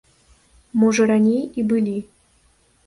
Можа раней і былі.